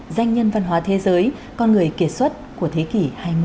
danh nhân văn hóa thế giới con người kiệt xuất của thế kỷ hai mươi